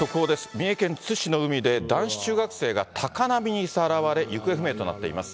三重県津市の海で、男子中学生が高波にさらわれ、行方不明となっています。